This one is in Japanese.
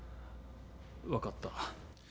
分かった。